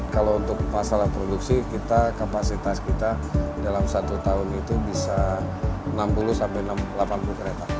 kalau untuk masalah produksi kita kapasitas kita dalam satu tahun itu bisa enam puluh sampai delapan puluh kereta